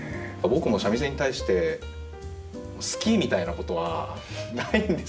僕も三味線に対して「好き」みたいなことはないんですけど。